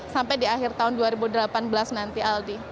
sampai di akhir tahun dua ribu delapan belas nanti aldi